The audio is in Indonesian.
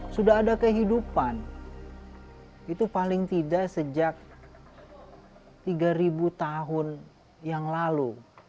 sudah ada kehidupan itu paling tidak sejak tiga tahun yang lalu